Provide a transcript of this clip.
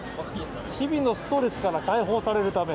日々のストレスから解放されるため。